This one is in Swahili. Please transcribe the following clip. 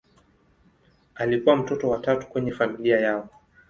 Alikuwa mtoto wa tatu kwenye familia yao.